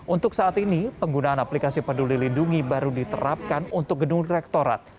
untuk saat ini penggunaan aplikasi peduli lindungi baru diterapkan untuk gedung rektorat